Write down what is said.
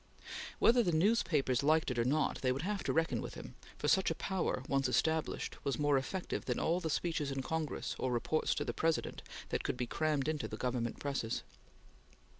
Whether the newspapers liked it or not, they would have to reckon with him; for such a power, once established, was more effective than all the speeches in Congress or reports to the President that could be crammed into the Government presses.